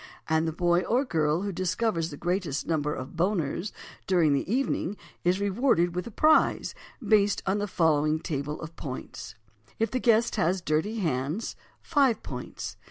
and the boy or girl who discovers the greatest number of "Boners" during the evening is rewarded with a prize, based on the following table of points: If the guest has dirty hands, 5 points.